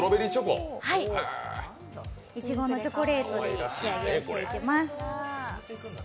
いちごのチョコレートで仕上げをしていきます。